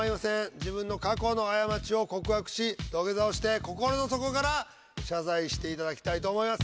自分の過去の過ちを告白し土下座をして心の底から謝罪していただきたいと思います。